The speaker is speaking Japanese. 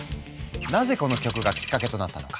なぜこの曲がきっかけとなったのか。